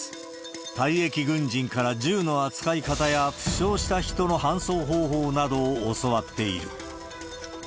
退役軍人から銃の扱い方や、負傷した人の搬送方法などを教わっている。